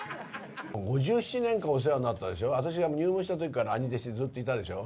５７年間お世話になったでしょ、私が入門したときから、兄弟子でずっといたでしょ。